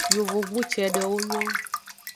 Yovogbu cedewo nyon.